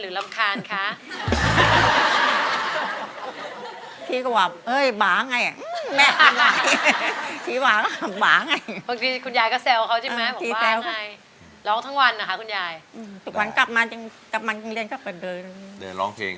อืมทุกวันกลับมาจึงกลับมาคุณชักจะเดินเดินร้องเพลง